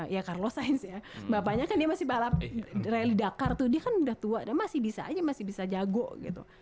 ya carlos sainz ya bapaknya kan dia masih balap rally dakar tuh dia kan udah tua dia masih bisa aja masih bisa jago gitu